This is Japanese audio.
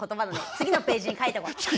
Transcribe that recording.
次のページに書いとこ。